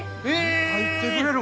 入ってくれるんか？